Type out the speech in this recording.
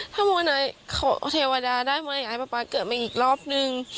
ถ้าโมนายเทวดาได้มั้ยอยากให้ป๊าป๊าเกิดมาอีกรอบนึง